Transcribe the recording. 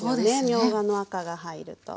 みょうがの赤が入ると。